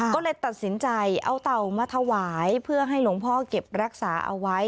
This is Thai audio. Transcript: ก็เลยตัดสินใจเอาเต่ามาถวายเพื่อให้หลวงพ่อเก็บรักษาเอาไว้